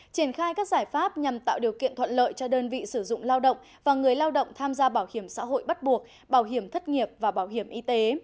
triển khai các giải pháp nhằm tạo điều kiện thuận lợi cho đơn vị sử dụng lao động và người lao động tham gia bảo hiểm xã hội bắt buộc bảo hiểm thất nghiệp và bảo hiểm y tế